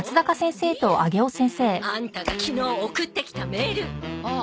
アンタが昨日送ってきたメール。